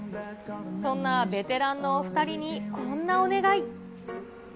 そんなベテランのお２人に、こんなお願い。